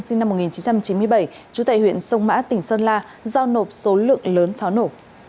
sinh năm một nghìn chín trăm chín mươi bảy trú tại huyện sông mã tỉnh sơn la giao nộp số lượng lớn pháo nổ